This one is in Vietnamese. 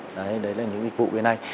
đấy đấy là những dịch vụ bên anh